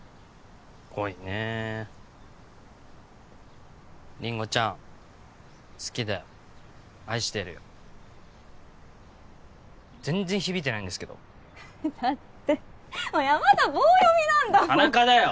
恋ねえりんごちゃん好きだよ愛してるよ全然響いてないんですけどだって山田棒読みなんだもん田中だよ！